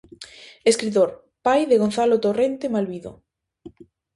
Escritor, pai de Gonzalo Torrente Malvido.